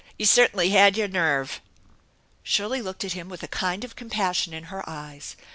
You certainly had your nerve !" Shirley looked at him with a kind of compassion in her eyes.